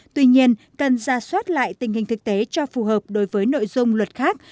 tuy nhiên cần ra soát lại tình hình thực tế cho phù hợp đối với nội dung luật khác